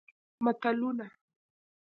متلونه